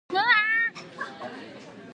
Clauses can be dependent or independent.